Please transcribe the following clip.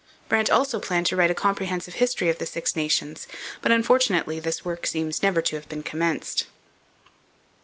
Brant also planned to write a comprehensive history of the Six Nations, but unfortunately this work seems never to have been commenced.